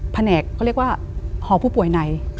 แหนกเขาเรียกว่าหอผู้ป่วยใน